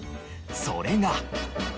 それが。